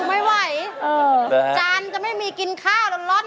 ไม่ไหวจานจะไม่มีกินข้าวร้อน